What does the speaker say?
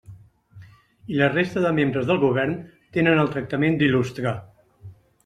I la resta de membres del govern tenen el tractament d'il·lustre.